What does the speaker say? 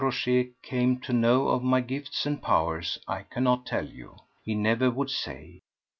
Rochez came to know of my gifts and powers, I cannot tell you. He never would say.